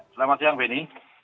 selamat siang benny